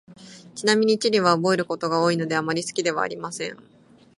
ちなみに、地理は覚えることが多いので、あまり好きではありません。